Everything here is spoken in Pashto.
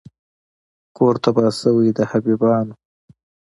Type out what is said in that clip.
کور تباه سوی د حبیبیانو